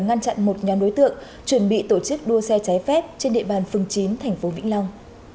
ngăn chặn một nhóm đối tượng chuẩn bị tổ chức đua xe trái phép trên địa bàn phường chín thành phố vĩnh long